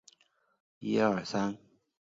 希罗纳古罗马凯尔特神话女性神只之一。